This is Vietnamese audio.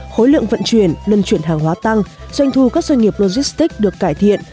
khối lượng vận chuyển luân chuyển hàng hóa tăng doanh thu các doanh nghiệp logistics được cải thiện